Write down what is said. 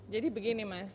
jadi begini mas